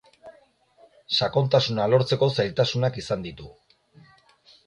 Sakontasuna lortzeko zailtasunak izan ditu.